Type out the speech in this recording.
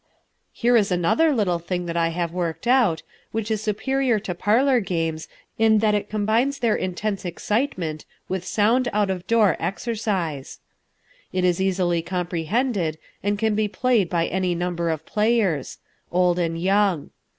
Here is another little thing that I have worked out, which is superior to parlour games in that it combines their intense excitement with sound out of door exercise. It is easily comprehended, and can be played by any number of players, old and young.